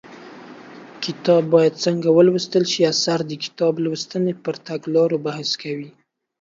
کتاب باید څنګه ولوستل شي اثر د کتاب لوستنې پر تګلارو بحث کوي